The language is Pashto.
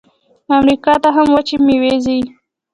امریکا ته هم وچې میوې ځي.